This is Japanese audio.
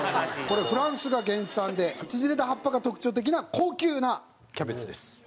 これフランスが原産で縮れた葉っぱが特徴的な高級なキャベツです。